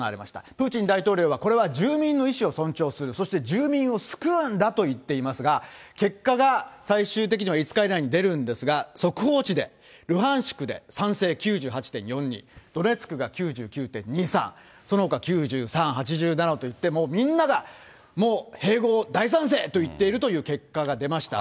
プーチン大統領はこれは住民の意思を尊重する、そして住民を救うんだと言っていますが、結果が最終的には５日以内に出るんですが、速報値で、ルハンシクで賛成９８．４２、ドネツクが９９．２３、そのほか９３、８７といって、もうみんながもう、併合、大賛成と言っているという結果が出ました。